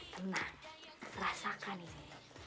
tenang rasakan ini